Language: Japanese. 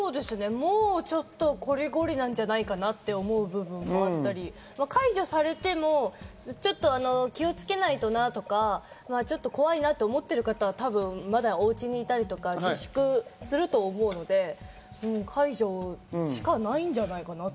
もうちょっとこりごりなんじゃないかなって思う部分もあったり、解除されても気をつけないとなとか、怖いなと思っている方は、お家にいたりとか自粛すると思うので、解除しかないんじゃないかなって。